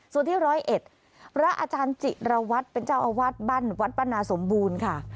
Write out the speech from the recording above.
ส่วนที่๑๐๑ระอาจารย์จิระวัติเป็นเจ้าอาวาสบั้นวัดบรรณาสมบูรณ์ค่ะ